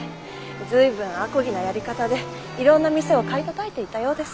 随分あこぎなやり方でいろんな店を買いたたいていたようです。